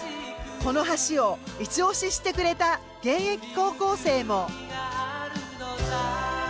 この橋をいちオシしてくれた現役高校生も。